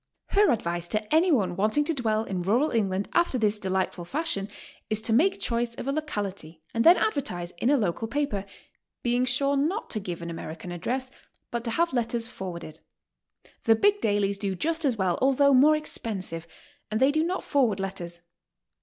Her advice to anyone wanting to dwell in rural England after this delighful fashion is to make choice of a locality and then advertise in a local paper, being sure not to give an American address, but to have letters forwarded. The big dailies do just as well, although more expensive, and they do not forward letters.